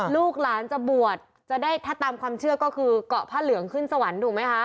ลูกหลานจะบวชจะได้ถ้าตามความเชื่อก็คือเกาะผ้าเหลืองขึ้นสวรรค์ถูกไหมคะ